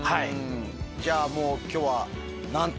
じゃあもう今日は。